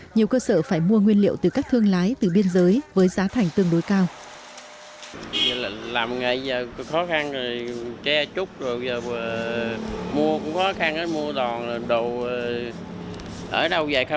nhiều cơ sở phải mua nguyên liệu từ các thương lái từ biên giới với giá thành tương đối cao